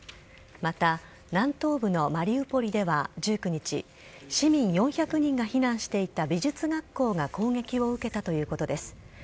また南東部のマリウポリでは、１９日、市民４００人が避難していた、美術学校が攻撃を受けたということです。